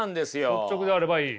率直であればいい？